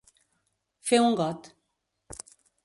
Fer un got.